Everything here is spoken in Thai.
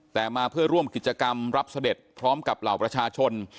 แต่มาเพื่อร่วมกิจกรรมรับเสด็จพร้อมกับเหล่าประชาชน